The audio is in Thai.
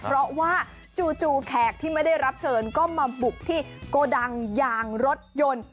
เพราะว่าจู่แขกที่ไม่ได้รับเชิญก็มาบุกที่โกดังยางรถยนต์